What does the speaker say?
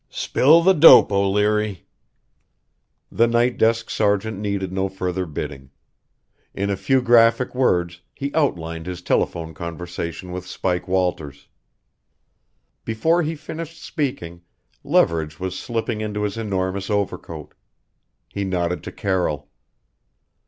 "Spill the dope, O'Leary!" The night desk sergeant needed no further bidding. In a few graphic words he outlined his telephone conversation with Spike Walters. Before he finished speaking, Leverage was slipping into his enormous overcoat. He nodded to Carroll.